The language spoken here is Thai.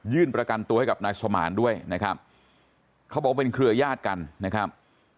ประกันตัวให้กับนายสมานด้วยนะครับเขาบอกว่าเป็นเครือญาติกันนะครับ